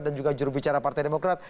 dan juga jurubicara partai demokrat